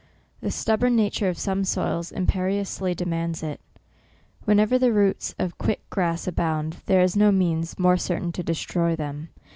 The stubborn nature of some soils imperiously demands it. Wherever the roots of quick grass abound, there is no means more, certain to destroy them.